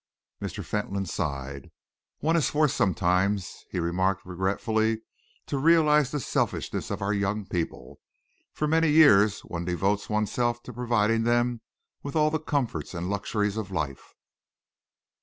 Mr. Fentolin sighed. "One is forced sometimes," he remarked regretfully, "to realise the selfishness of our young people. For many years one devotes oneself to providing them with all the comforts and luxuries of life.